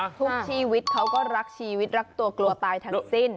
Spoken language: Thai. ทุกชีวิตเขาก็รักชีวิตรักตัวกลัวตายทั้งสิ้น